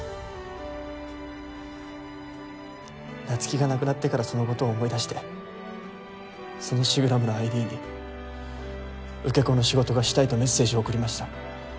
菜月が亡くなってからそのことを思い出してそのシグラムのＩＤに「受け子の仕事がしたい」とメッセージを送りました。